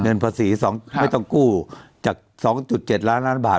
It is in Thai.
เงินภาษีสองครับไม่ต้องกู้จากสองจุดเจ็ดล้านล้านบาท